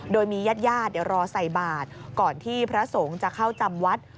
โดยมีญาติญาติรอใส่บาทก่อนที่พระสงฆ์จะเข้าจำวัด